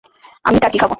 আমি টার্কি খাব।